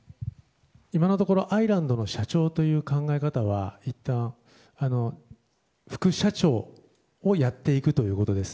今のところアイランドの社長という考え方はいったん副社長をやっていくということです。